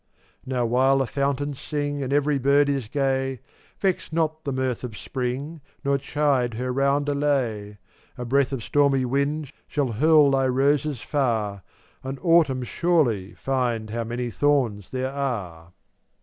456 Now while the fountains sing And every bird is gay, Vex not the mirth of spring Nor chide her roundelay; A breath of stormy wind 1 Shall hurl thy roses far, And autumn surely find How many thorns there are.